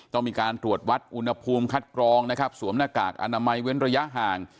ต้องมีการตรวจวัดอุณหภูมิคัดกรองนะครับสวมหน้ากากอนามัยเว้นระยะห่าง